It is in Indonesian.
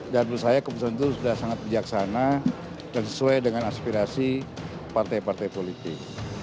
dan menurut saya keputusan itu sudah sangat bijaksana dan sesuai dengan aspirasi partai partai politik